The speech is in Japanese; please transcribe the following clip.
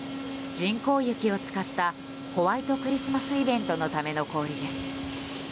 人工雪を使ったホワイトクリスマスイベントのための氷です。